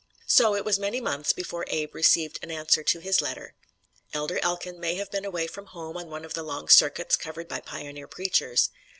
So it was many months before Abe received an answer to his letter. Elder Elkin may have been away from home on one of the long circuits covered by pioneer preachers.